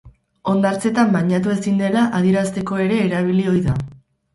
Hondartzetan bainatu ezin dela adierazteko ere erabili ohi da.